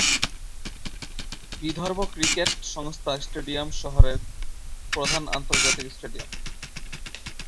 Vidarbha cricket সংস্থা stadium শহরের প্রধান আন্তর্জাতিক স্টেডিয়াম।